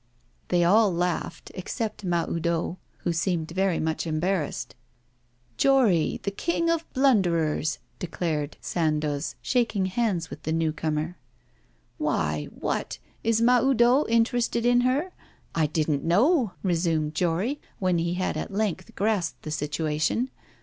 They all laughed, except Mahoudeau, who seemed very much embarrassed. 'Jory, the King of Blunderers,' declared Sandoz, shaking hands with the new comer. 'Why? What? Is Mahoudeau interested in her? I didn't know,' resumed Jory, when he had at length grasped the situation.